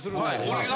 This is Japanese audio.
俺が？